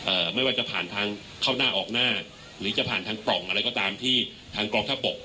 ไม่ว่าจะผ่านทางเข้าหน้าออกหน้าหรือจะผ่านทางปล่องอะไรก็ตามที่ทางกองทัพบก